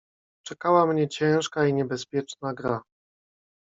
"Czekała mnie ciężka i niebezpieczna gra."